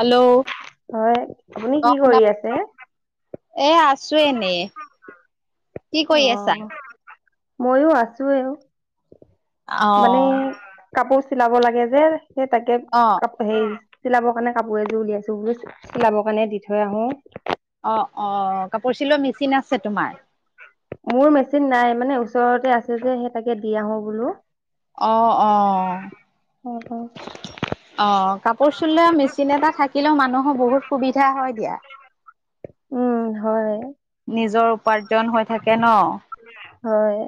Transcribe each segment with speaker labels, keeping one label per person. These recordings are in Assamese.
Speaker 1: হেল্ল'
Speaker 2: হয়, আপুনি
Speaker 1: অ
Speaker 2: কি
Speaker 1: শুনা
Speaker 2: কৰি আছে?
Speaker 1: এ আছো এনে কি কৰি আছা?
Speaker 2: ময়ো আছোঁ এ অ'
Speaker 1: অ
Speaker 2: মানে কাপোৰ চিলাব লাগে যে। সে তাকে
Speaker 1: অ
Speaker 2: কাপ সেই চিলাব কাৰণে কাপোৰ এযোৰ উলিয়াইছোঁ [unintelligible] চিলাব কাৰণে দি থৈ আহোঁ।
Speaker 1: অ'অ' কাপোৰ চিলোৱা মেচিন আছে তোমাৰ?
Speaker 2: মোৰ মেচিন নাই। মানে ওচৰতে আছে যে সেই তাকে দি আহো বোলো।
Speaker 1: অ', অ'।
Speaker 2: অ অ
Speaker 1: অ' কাপোৰ চিলোৱা মেচিন এটা থাকিলেও মানুহৰ বহুত সুবিধা হয় দিয়া।
Speaker 2: উম, হয়।
Speaker 1: নিজৰ উপাৰ্জন হৈ থাকে ন?
Speaker 2: হয়।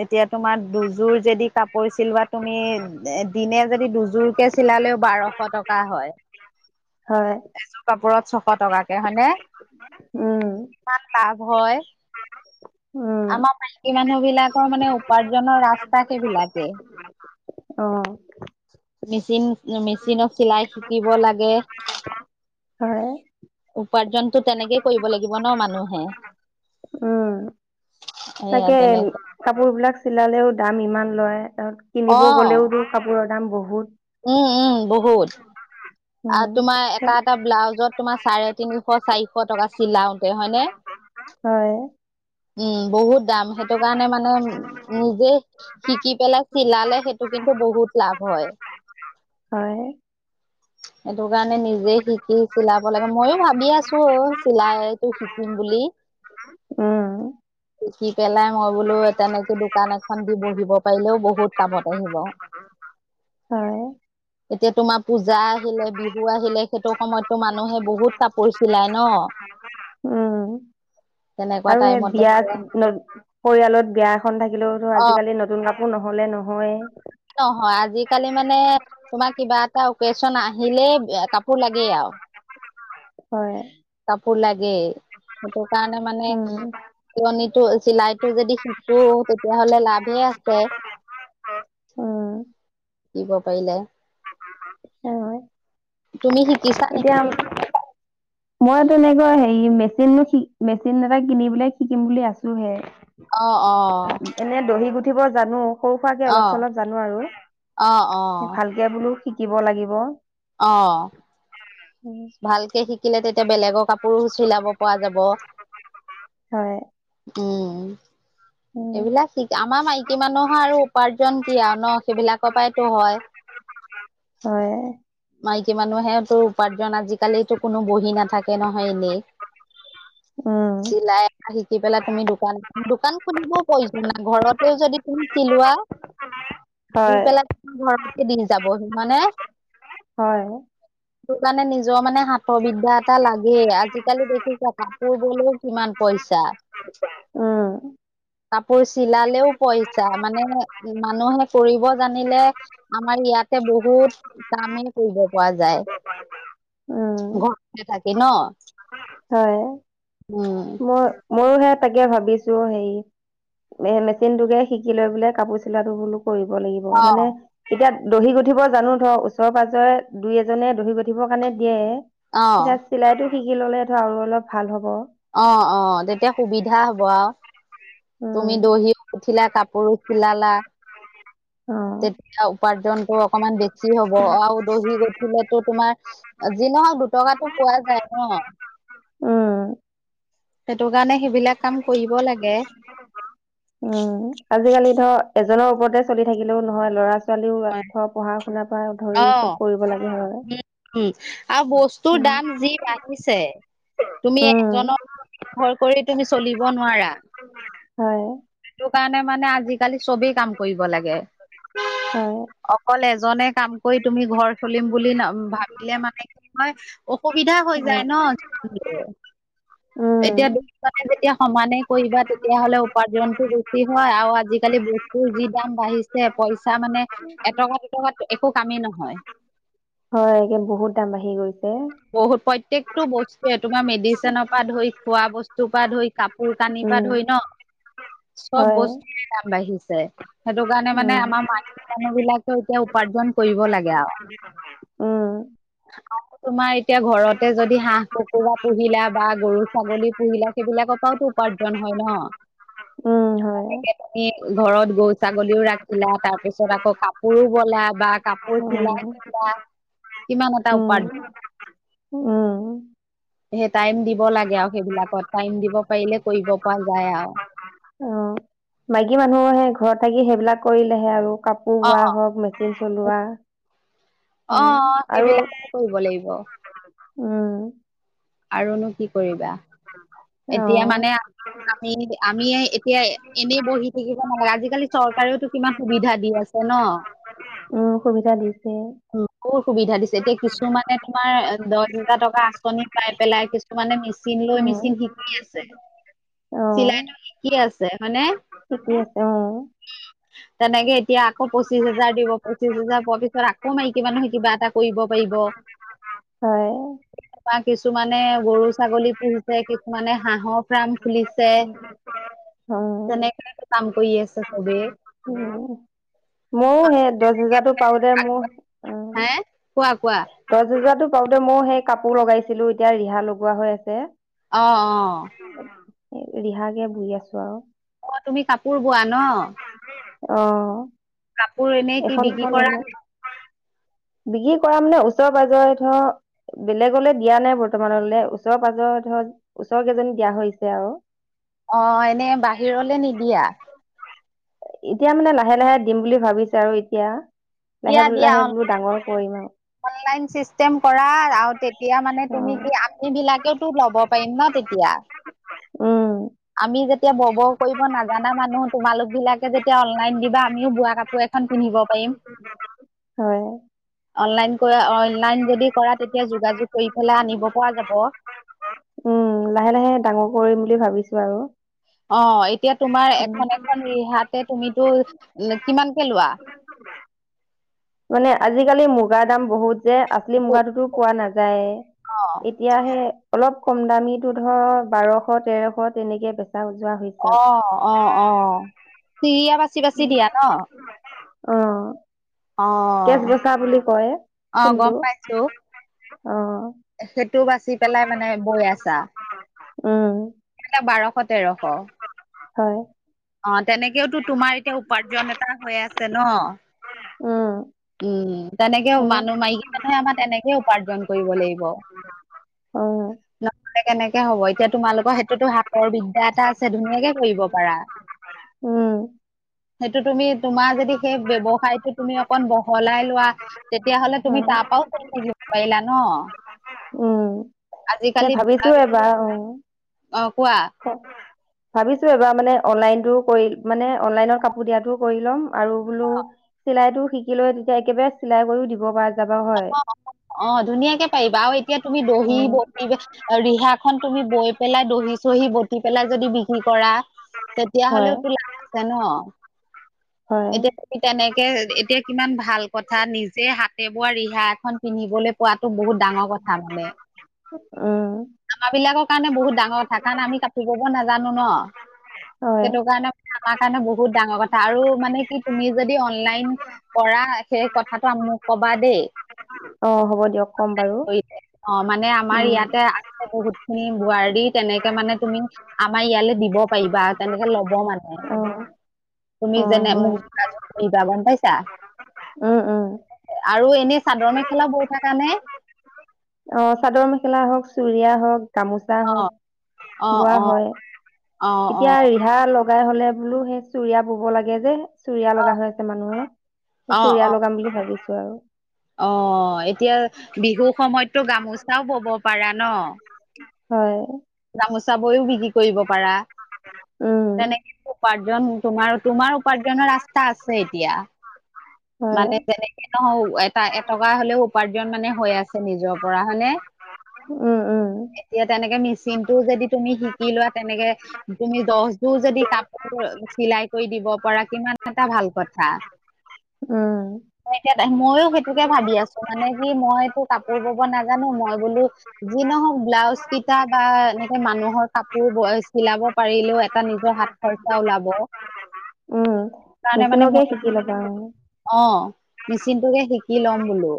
Speaker 1: এতিয়া তোমাৰ দুযোৰ যদি কাপোৰ চিলোৱা তুমি এ দিনে যদি দুযোৰ কে চিলালেও বাৰ শ টকা হয়।
Speaker 2: হয়।
Speaker 1: এযোৰ কাপোৰত ছশ টকাকে হয়নে?
Speaker 2: উম।
Speaker 1: ইমান লাভ হয়,
Speaker 2: উম
Speaker 1: আমাৰ বাইকী মানুহ বিলাক তাৰ মানে উপাৰ্জনৰ ৰাস্তা সেইবিলাকে।
Speaker 2: অ'।
Speaker 1: মেচিন মেচিনত চিলাই শিকিব লাগে।
Speaker 2: অ [unintelligible]
Speaker 1: উপাৰ্জনতো তেনেকেই কৰিব লাগিব ন মানুহে।
Speaker 2: উম।
Speaker 1: এয়া
Speaker 2: তাকে
Speaker 1: তেনেকে
Speaker 2: কাপোৰ বিলাক চিলালেও দাম ইমান লয়।
Speaker 1: অ
Speaker 2: কিনিব গ'লেওঁ কাপোৰৰ দাম বহুত।
Speaker 1: উম, উম বহুত। আৰু তোমাৰ
Speaker 2: উম
Speaker 1: এটা এটা ব্লাউজত তোমাৰ চাৰে তিনিশ চাৰিশ টকা চিলাওঁতে হয়নে?
Speaker 2: হয়।
Speaker 1: উম, বহুত দাম সেইটো কাৰণে মানে নিজেই শিকি পেলাই চিলালে সেইটো কিন্তু বহুত লাভ হয়।
Speaker 2: হয়।
Speaker 1: সেইটো কাৰণে নিজে শিকি চিলাব লাগে। ময়ো ভাবি আছো অ' চিলাইটো শিকিম বুলি।
Speaker 2: অ'।
Speaker 1: শিকি পেলাই মই বোলো তেনেকে দোকান এখন দি বহিব পাৰিলেও বহুত কামত আহিব।
Speaker 2: হয়,
Speaker 1: এতিয়া তোমাৰ পূজ জা আহিলে বিহু আহিলে সেইটো সময়ততো মানুহে বহুত কাপোৰ চিলায় ন?
Speaker 2: উম।
Speaker 1: তেনেকুৱা
Speaker 2: কে
Speaker 1: টাইমতে
Speaker 2: বিয়াত ন পৰিয়ালত বিয়া এখন থাকিলেওঁতো
Speaker 1: অ
Speaker 2: আজিকালি নতুন কা পোৰ নহ'লে নহয়ে।
Speaker 1: নহয়, আজিকালি মানে তোমাৰ কিবা এটা অকেজন আহিলেই কাপোৰ লাগেই আৰু।
Speaker 2: হয়।
Speaker 1: কাপোৰ লাগেই, সেইটো কাৰণে মানে
Speaker 2: উম,
Speaker 1: চলণীটো চিলাইটো যদি শিকো তেতিয়াহ'লে লাভে আছে
Speaker 2: উম,
Speaker 1: শিকিব পাৰিলে।
Speaker 2: হয়।
Speaker 1: তুমি শিকিছা
Speaker 2: এতিয়া
Speaker 1: নেকি?
Speaker 2: মই তেনেকুৱা হেৰি মেচিনো মেচিন এটা কিনি পেলাই শিকিম বুলি আছো হে।
Speaker 1: অ', অ'।
Speaker 2: এনে দহি গুঠিব জানো, সৰু সুৱাকে
Speaker 1: অ
Speaker 2: অলপ-চলপ জানো আৰু,
Speaker 1: অ অ
Speaker 2: ভাল কে বোলো শিকিব লাগিব।
Speaker 1: অ'।
Speaker 2: অ', উম।
Speaker 1: ভালকে শিকিলে তেতিয়া বেলেগৰ কাপোৰো চিলাব পৰা যাব।
Speaker 2: হয়।
Speaker 1: উম।
Speaker 2: উম,
Speaker 1: এইবিলাক শিক, আমাৰ মাইকী মানুহৰ আৰু উপাৰ্জন কি আৰু ন? সেইবিলাকৰ পৰাইতো হয়।
Speaker 2: হয়।
Speaker 1: মাইকী মানুহেতো উপাৰ্জন, আজিকালিতো কোনো বহি নাথাকে নহয় এনেই।
Speaker 2: উম,
Speaker 1: চিলাই শিকি পেলাই তুমি দোকান, দোকান খুলিবও প্ৰয়োজন নাই, ঘৰতেও যদি তুমি চিলোৱা, দি
Speaker 2: হয়,
Speaker 1: পেলাই ঘৰতে দি যাবহি, হয় নে?
Speaker 2: হয়।
Speaker 1: [inaudible] তোৰ কাৰণে নিজৰ মানে হাতৰ বিদ্যা এটা লাগেই, আজিকালি দেখিছা কাপোৰ বলেও কিমান পইচা।
Speaker 2: উম।
Speaker 1: কাপোৰ চিলালেও পইচা, মানে মানুহে কৰিব জানিলে আমাৰ ইয়াতে বহুত কামেই কৰিব পৰা যায়।
Speaker 2: উম।
Speaker 1: ঘৰতে থাকি ন।
Speaker 2: হয়।
Speaker 1: উম।
Speaker 2: মই, ময়ো সে তাকে ভাবিছোঁ‌ হেৰি এ মেচিনটোকে শিকি লৈ পেলাই কাপোৰ চিলোৱাটো বোলো কৰিব লাগিব,
Speaker 1: অ
Speaker 2: মানে এতিয়া দহি গুঠিব জানো ধৰ, ওচৰে পাঁজৰে দুই এজনে দহি গুঠিবৰ কাৰণে দিয়ে
Speaker 1: অ
Speaker 2: এতিয়া চিলাইটো শিকি ললে ধৰ আৰু অলপ ভাল হ'ব।
Speaker 1: অ'-অ', তেতিয়া সুবিধা হব আৰু,
Speaker 2: উম
Speaker 1: তুমি দহিও গুঠিলা, কাপোৰ চিলালা,
Speaker 2: অ
Speaker 1: তেতিয়া উপাৰ্জনটো অকমান বে ছি হ'ব, আৰু দহি গঠিলেতো তোমাৰ যি নহওক দুটকাটো পোৱা যায় ন।
Speaker 2: উম।
Speaker 1: সেইটো কাৰণে সেইবিলাক কাম কৰিব লাগে।
Speaker 2: উম, আজিকালি ধৰ এজনৰ ওপৰতে চলি থাকিলেও নহয়, ল'ৰা ছোৱালীও
Speaker 1: হয়,
Speaker 2: ধৰ পঢ়া শুনাৰ পৰা ধৰি
Speaker 1: অ
Speaker 2: চব কৰিব লাগে হয়।
Speaker 1: উম উম আৰু বস্তুৰ
Speaker 2: উম
Speaker 1: দাম যি বাঢ়িছে, তুমি
Speaker 2: উম
Speaker 1: এজনৰ ভৰ কৰি তুমি চলিব নোৱাৰা।
Speaker 2: হয়।
Speaker 1: সেইটো কাৰণে মানে আজিকালি চবেই কাম কৰিব লাগে,
Speaker 2: হয়
Speaker 1: অকল এজনে কাম কৰি তুমি ঘৰ চলিম বুলি ন-ভাবিলে, মানে কি হয় অসুবিধা হৈ
Speaker 2: হয়
Speaker 1: যায় ন যিমান যি হ'লেও। এতিয়া
Speaker 2: উম
Speaker 1: দুইফালে যেতিয়া সমানে কৰিবা তেতিয়াহ'লে উপাৰ্জনটো বেছি হয়, আৰু আজিকালি বস্তু-্ যি দাম বাঢ়িছে পইচা মানে এটকা দুটকাত একো কামেই নহয়।
Speaker 2: হয়, কি
Speaker 1: বহুত, প্ৰত্যেকটো বস্তুৱে তোমাৰ মেডিচিনৰ পা ধৰি, খোৱা বস্তুৰ পৰা ধৰি, কাপোৰ-কানিৰ
Speaker 2: উম
Speaker 1: পৰা ধৰি ন, চব
Speaker 2: হয়
Speaker 1: বস্তু দাম বাঢ়িছে সেইটো কাৰণে মানে
Speaker 2: উম
Speaker 1: আমাৰ মাইকী মানুহ বিলাকেও এতিয়া উপাৰ্জন কৰিব লাগে আৰু
Speaker 2: অ
Speaker 1: আৰু তোমাৰ এতিয়া ঘৰতে যদি হাঁহ, কুকুৰা পুহিলা বা গৰু, ছাগলী পুহিলা সেইবিলাকৰ পৰাওতো উপাৰ্জন হয় ন
Speaker 2: উম হয়
Speaker 1: তে তুমি ঘৰত গৰু, ছাগলীও ৰাখিলা তাৰ পিছত আকৌ কাপোৰো বলা বা কাপোৰ
Speaker 2: উম
Speaker 1: চিলাই কৰিলা কিমান এটা উপা
Speaker 2: উম উম
Speaker 1: হে টাইম দিব লাগে আৰু সেইবিলাকত টাইম দিব পাৰিলে কৰিব পৰা যায় আৰু
Speaker 2: অ মাইকী মানুহে ঘৰত থাকি সেইবিলাক কৰিলেহে আৰু কাপ পোৰ
Speaker 1: অ
Speaker 2: ৱোৱা হওক মেচিন চলোৱা
Speaker 1: অ
Speaker 2: উম আৰু
Speaker 1: সেইবিলাকতে কৰিব লাগিব
Speaker 2: উম
Speaker 1: আৰুনো কি কৰিবা
Speaker 2: অ
Speaker 1: এতিয়া মানে আমি আমি এতিয়া এনেই বহি থাকিব নালাগে আজি-কালি চৰকাৰেও তো কিমান সুবিধা দি আ ছে ন
Speaker 2: উম সুবিধা দিছে
Speaker 1: বোৰ সুবিধা দিছে এতিয়া কিছুমানে তোমাৰ দহ হেজাৰ টকা আঁচনি পাই পেলাই কিছুমানে মেচিন লৈ
Speaker 2: উম
Speaker 1: মেচিন শিকি আছে চিলাইটো শিকি আছে হয়নে
Speaker 2: শিকি আছে অ
Speaker 1: উম তেনেকে এতিয়া আকৌ পঁচিশ হেজাৰ দিব পঁচিশ হেজাৰ পোৱাৰ পিছত আকৌ মাইকী মানুহে কিবা এটা কৰিব পাৰিব
Speaker 2: হয়
Speaker 1: [unintelligible] বা কিছুমানে গৰু, ছাগলী পুহিছে কিছুমানে হাঁহৰ ফাৰ্ম খুলিছে
Speaker 2: অ
Speaker 1: তেনেকেই কাম কৰি আছে চবে
Speaker 2: এ দহ হেজাৰতো পাওঁতে মোৰ উম
Speaker 1: হে কোৱা কোৱা
Speaker 2: দহ হোজাৰতো পাওঁতে মই সেই কাপোৰ লগাইছিলো এতিয়া ৰিহা লগোৱা হৈ আছে
Speaker 1: অ অ
Speaker 2: ৰিহাকে বুই আছো আৰু
Speaker 1: অ তুমি কাপোৰ বোৱা ন
Speaker 2: অ
Speaker 1: কাপোৰ এনেই কি
Speaker 2: এখন
Speaker 1: বিক্ৰী
Speaker 2: দুখন
Speaker 1: কৰা
Speaker 2: এইবিলাক
Speaker 1: নে
Speaker 2: বিক্ৰী কৰা মানে ওচৰে পাজৰে ধৰ বেলেগলে দিয়া নাই বৰ্তমানলৈ ওচৰ পাজৰে ধৰ ওচৰ কেইজনী দিয়া হৈছে আৰু।
Speaker 1: অ এনে বাহিৰলে নিদিয়া
Speaker 2: এতিয়া মানে লাহে লাহে দিম বুলি ভাবিছা আৰু এতিয়া
Speaker 1: দিয়া
Speaker 2: লাহে বোল
Speaker 1: দিয়া
Speaker 2: লাহে
Speaker 1: অ
Speaker 2: বোৰ ডাঙৰ কৰিম আৰু।
Speaker 1: অনলাইন চিষ্টেম কৰা আৰু তেতিয়া মানে তুমি কি
Speaker 2: অ
Speaker 1: আমি বিলাকেও তো ল'ব পাৰিম ন তে তিয়া
Speaker 2: উম
Speaker 1: আমি যেতিয়া বব কৰিব নাজানা মানুহ তোমালোক বিলাকে যেতিয়া অনলাইন দিবা আমিও বোৱা কাপোৰ এখন পিন্ধিব পাৰিম।
Speaker 2: হয়
Speaker 1: অনলাইন কৰা অনলাইন যদি কৰা তেতিয়া যোগাযোগ কৰি পেলাই আনিব পৰা যাব।
Speaker 2: উম, লাহে লাহে ডাঙৰ কৰিম বুলি ভাবিছোঁ আৰু।
Speaker 1: অ', এতিয়া তোমাৰ এখন এখন ৰিহাতে তুমিতো কিমানকে লোৱা?
Speaker 2: মানে আজিকালি মুগাৰ দাম বহুত যে আচলি মুগাটোতো পোৱা
Speaker 1: অ
Speaker 2: নাযায়ে। এতিয়াহে অলপ ক'ম দামীটো ধৰ বাৰশ তেৰশ তেনেকে বেচা যোৱা হৈ।
Speaker 1: অ', অ', অ', চিৰিয়া বাচি বাচি দিয়া ন'?
Speaker 2: অ'।
Speaker 1: অ
Speaker 2: কেচবচা বুলি কয়
Speaker 1: অ গম
Speaker 2: ফুলটো
Speaker 1: পাইছো
Speaker 2: অ'।
Speaker 1: সেইটো বাচি পেলাই মানে বৈ আছা?
Speaker 2: উম।
Speaker 1: বাৰশ তেৰশ।
Speaker 2: হয়।
Speaker 1: অ', তেনেকেওতো তোমাৰ এতিয়া উপাৰ্জন এটা হৈ আছে ন'।
Speaker 2: উম
Speaker 1: উম। তেনেকে
Speaker 2: হয়
Speaker 1: মানুহ মাইকী মানুহে আমাৰ তেনেকেই উপাৰ্জন কৰিব লাগিব।
Speaker 2: অ
Speaker 1: নহ'লে কেনেকে হ'ব, এতিয়া তোমালোকৰ সেইটোতো হাতৰ বিদ্যা এটা আছে ধুনীয়াকে কৰিব পাৰা।
Speaker 2: উম।
Speaker 1: সেইটো তুমি তোমাৰ যদি সেই ব্যৱসায়টো তুমি অকণ বহলাই লোৱা। তেতিয়া হ'লে তুমি
Speaker 2: হয়
Speaker 1: তাৰপৰাও চলি থাকিব পাৰিলা ন'?
Speaker 2: উম, সেই
Speaker 1: আজিকালি
Speaker 2: ভাবিছোঁ এবাৰ উম।
Speaker 1: অ কোৱা
Speaker 2: ভাবিছোঁ এবাৰ মানে অনলাইনটো কৰি মানে অনলাইন কাপোৰ দিয়াতো কৰি ল'ম আৰু বোলোঁ চিলাই টো শিকিলৈ তেতিয়া একেবাৰে চিলাই কৰিও দিব পৰা যাবা হয়
Speaker 1: অ', অ', ধুনীয়াকে পাৰিবা আৰু এতিয়া তুমি দহি
Speaker 2: উম
Speaker 1: বতি ৰিহা খন তুমি বৈ পেলাই দহি-চহি বতি পেলাই যদি বিক্ৰী কৰা। তেতিয়া
Speaker 2: হয়
Speaker 1: হ'লেওটো লাভ আছে ন'!
Speaker 2: হয়
Speaker 1: এতিয়া তুমি তেনেকে এতিয়া কিমান ভাল কথা নিজে হাতে বোৱা ৰিহা এখন পিন্ধিবলৈ পোৱাতো বহুত ডাঙৰ কথা মানে।
Speaker 2: উম।
Speaker 1: আমাৰ বিলাকৰ কাৰণে বহুত ডাঙৰ কথা কাৰণ আমি কাপোৰ বব নাজানোঁ ন'।
Speaker 2: হয়
Speaker 1: সেইটো কাৰণে মানে আমাৰ কাৰণে বহুত ডাঙৰ কথা আৰু মানে কি তুমি যদি অনলাইন কৰা সেই কথাটো মোক ক'বা দেই।
Speaker 2: অ', হ'ব দিয়ক ক'ম বাৰু।
Speaker 1: কৰিলে। অ', মানে আমাৰ
Speaker 2: উম
Speaker 1: ইয়াতে আছে বহুত খিনি বোৱাৰী তেনেকে মানে তুমি আমাৰ ইয়ালে দিব পাৰিবা তেনেকে ল'ব মানে,
Speaker 2: অ অ
Speaker 1: তুমি যেনে
Speaker 2: হয়
Speaker 1: মোক যোগাযোগ কৰিবা গ'ম পাইছা?
Speaker 2: উম, উম।
Speaker 1: আৰু এনেই চাদৰ মেখেলা বৈ থাকা নে?
Speaker 2: অ', চাদৰ মেখেলা হ'ওঁক, চুুৰিয়া হ'ওঁক, গামোচা
Speaker 1: অ',
Speaker 2: হ'ওঁক
Speaker 1: অ',
Speaker 2: বোৱা
Speaker 1: অ',
Speaker 2: হয়।
Speaker 1: অ',
Speaker 2: এতিয়া
Speaker 1: অ',
Speaker 2: ৰিহা লগাই হ'লে বোলো সেই চুৰিয়া বব লাগে যে। চুৰিয়া লগা হৈ আছে মানুহৰ, সেই
Speaker 1: অ',
Speaker 2: চুৰিয়া
Speaker 1: অ',
Speaker 2: লগাম বুলি ভাবিছো আৰু।
Speaker 1: অ', এতিয়া বিহু সময়ততো গামোচাও বব পাৰা ন'?
Speaker 2: হয়।
Speaker 1: গামোচা বৈও বিক্ৰী কৰিব পাৰা।
Speaker 2: উম
Speaker 1: তেনেক উপাৰ্জন তোমাৰ-তোমাৰ উপাৰ্জনৰ ৰাস্তা আছে এতিয়া।
Speaker 2: হয়
Speaker 1: মানে যেনেকে নহওঁ এটা-এটকা হ'লেওঁ উপাৰ্জন মানে হৈ আছে নিজৰ পৰা হয়নে?
Speaker 2: উম- উম
Speaker 1: এতিয়া তেনেকে মেচিন টো যদি তুমি শিকি লোৱা তেনেকে তুমি দহজোৰ যদি কাপোৰ চিলাই কৰি দিব পাৰা কিমান এটা ভাল কথা।
Speaker 2: উম,
Speaker 1: মই এতিয়া ময়ো সেইটোকে ভাবি আছোঁ মানে কি মইতো কাপোৰ বব নাজানো মই বোলো যি নহওঁক ব্লাউজ কিটা বা এনেকে মানুহৰ কাপোৰ ব চিলাব পাৰিলেও এটা নিজৰ হাত খৰচা ওলাব।
Speaker 2: উম,
Speaker 1: কাৰণে মানে
Speaker 2: মেচিনকে
Speaker 1: মই
Speaker 2: শিকি ল'বা আৰু।
Speaker 1: অ', মিচিনটোকে শিকি ল'ম বোলো।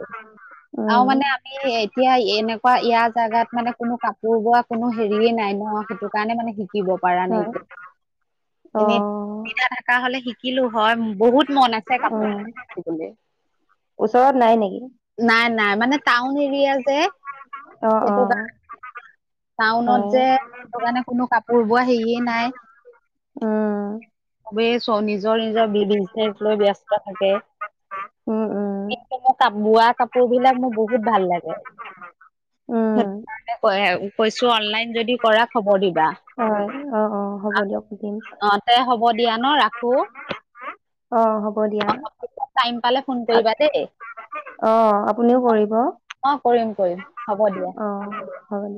Speaker 2: উম
Speaker 1: আৰু মানে আমি এতিয়া এনেকুৱা ইয়াৰ জাগাত মানে কোনো কাপোৰ বোৱা কোনো হেৰিয়ে নাই নহ সেইটো কাৰণে মানে শিকিব পাৰা নাই
Speaker 2: হয়
Speaker 1: এতিয়া।
Speaker 2: অ
Speaker 1: এনে সুবিধা থাকা হ'লে শিকিলোঁ হয় বহুত মন আছে
Speaker 2: উম
Speaker 1: কাপোৰ শিকিবলৈ
Speaker 2: ওচৰত নাই নেকি?
Speaker 1: নাই -নাই মানে টাউন এৰিয়া যে।
Speaker 2: অ',
Speaker 1: সেইটো
Speaker 2: অ',
Speaker 1: কাৰ টাউনত
Speaker 2: হয়
Speaker 1: যে সেইকাৰণে কোনো কাপোৰ বোৱা হেৰিয়ে নাই।
Speaker 2: উম,
Speaker 1: চবেই চ নিজৰ- নিজৰ বি -বিজনেচ লৈ ব্যস্ত থাকে।
Speaker 2: উম উম
Speaker 1: সেই কাৰণে বোৱা কাপোৰ বিলাক মোৰ বহুত ভাল লাগে।
Speaker 2: উম,
Speaker 1: সেইটো কাৰণে কৈ কৈছোঁ অনলাইন যদি কৰা খবৰ দিবা।
Speaker 2: হয় অ', অ', হ'ব দিয়ক সুধিম।
Speaker 1: অ তে হ'ব দিয়া ন' ৰাখো।
Speaker 2: অ', হ'ব দিয়া।
Speaker 1: টাইম পালে ফোন কৰিবা
Speaker 2: আ-
Speaker 1: দে।
Speaker 2: অ', আপুনিও কৰিব।
Speaker 1: অ', কৰিম -কৰিম হ'ব দিয়া।
Speaker 2: অ', হয়।